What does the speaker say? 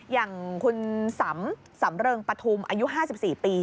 อย่างคุณสำสำเริงปฐุมอายุ๕๔ปี